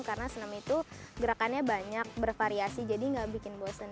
karena senam itu gerakannya banyak bervariasi jadi gak bikin bosan